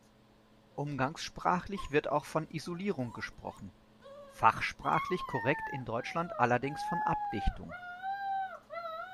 Umgangssprachlich wird auch von "Isolierung" gesprochen, fachsprachlich korrekt in Deutschland allerdings von "Abdichtung".